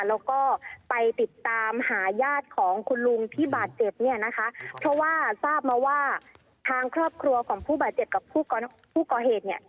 แล้วก็ไปติดตามหาญาติของคุณลุงที่บาดเจ็บเนี่ยนะคะเพราะว่าทราบมาว่าทางครอบครัวของผู้บาดเจ็บกับผู้ก่อเหตุเนี่ย